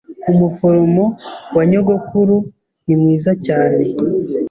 Umuforomo wa nyogokuru ni mwiza cyane.